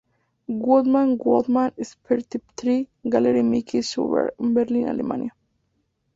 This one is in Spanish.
Woodman, Woodman, Spare That Tree, Galerie Micky Schubert, Berlín, Alemania.